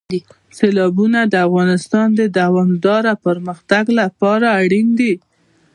سیلابونه د افغانستان د دوامداره پرمختګ لپاره اړین دي.